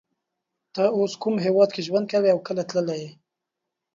ته اوس کوم هیواد کی ژوند کوی او کله تللی یی